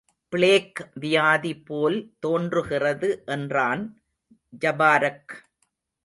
Plague வியாதி போல் தோன்றுகிறது என்றான் ஜபாரக்.